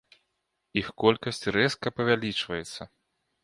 Іх колькасць рэзка павялічваецца.